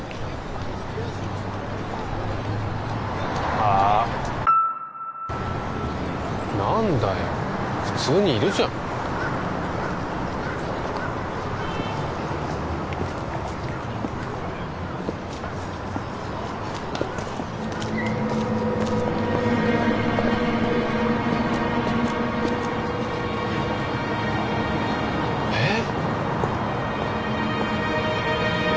あっ何だよ普通にいるじゃんえっえっ！？